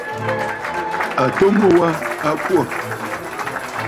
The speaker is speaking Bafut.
Àtu mu wa a kwô.